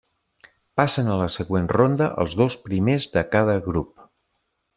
Passen a la següent ronda els dos primers de cada grup.